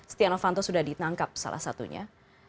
setia novanto sudah ditangkap salah satunya